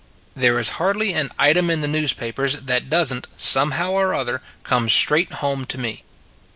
There is hardly an item in the newspa pers that doesn t, somehow or other, come straight home to me.